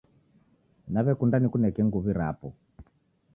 Naw'ekunda nikuneke nguw'I rapo.